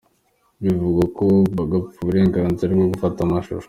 Bivugwa ko bapfaga uburenganzira bwo gufata amashusho.